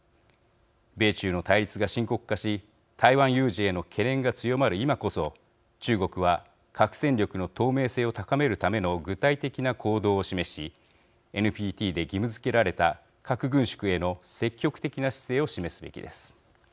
米中の対立が深刻化し台湾有事への懸念が強まる今こそ中国は核戦力の透明性を高めるための具体的な行動を示しＮＰＴで義務づけられた核軍縮への積極的な姿勢を示すべきです。